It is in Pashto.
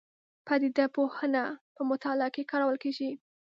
پدیده پوهنه په مطالعه کې کارول کېږي.